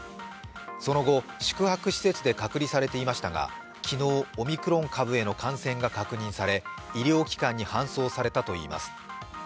その後、宿泊施設で隔離されていましたが、昨日オミクロン株への感染が確認され医療機関に搬送されたといいます。